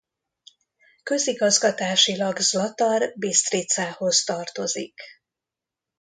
Közigazgatásilag Zlatar Bistricához tartozik.